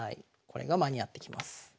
これが間に合ってきます。